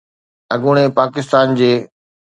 اڳوڻي پاڪستان جي